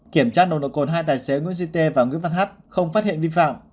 kiểm tra đồng đội cồn hai tài xế nguyễn sĩ tê và nguyễn văn hát không phát hiện vi phạm